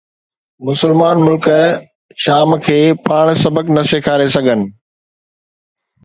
مسلمان ملڪ شام کي پاڻ سبق نه سيکاري سگهن